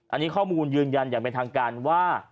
อันนี้ข้อมูลยืนยันอย่างเป็นทางการว่า